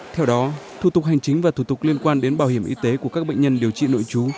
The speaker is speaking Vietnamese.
theo đó thủ tục hành chính và thủ tục liên quan đến bảo hiểm y tế của các bệnh nhân điều trị nội trú